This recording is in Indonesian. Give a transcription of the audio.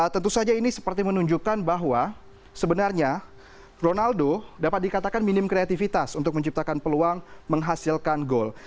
tentu saja ini seperti menunjukkan bahwa sebenarnya ronaldo dapat dikatakan minim kreativitas untuk menciptakan peluang menghasilkan gol